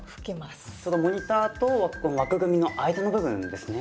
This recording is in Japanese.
そのモニターと枠組みの間の部分ですね。